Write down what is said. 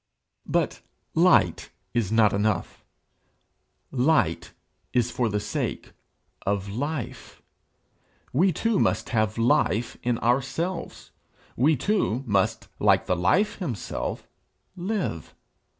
But light is not enough; light is for the sake of life. We too must have life in ourselves. We too must, like the Life himself, live.